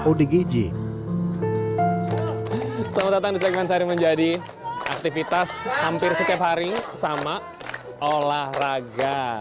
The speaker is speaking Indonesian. odgj selamat datang di segmen sehari menjadi aktivitas hampir setiap hari sama olahraga